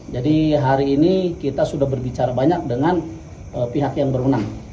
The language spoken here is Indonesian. jadi hari ini kita sudah berbicara banyak dengan pihak yang berwenang